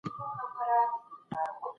ایمي وايي، دا یوازې د یوې ناروغۍ نښه نه ده.